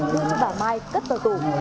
đưa cho bà mai cất vào tủ